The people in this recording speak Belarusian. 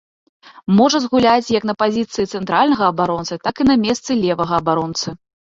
Можа згуляць як на пазіцыі цэнтральнага абаронцы, так і на месцы левага абаронцы.